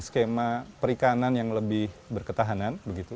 skema perikanan yang lebih berketahanan begitu